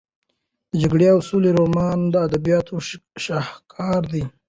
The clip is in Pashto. د جګړې او سولې رومان د ادبیاتو شاهکار دی.